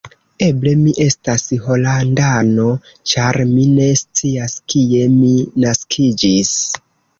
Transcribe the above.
Eble mi estas holandano, ĉar mi ne scias, kie mi naskiĝis.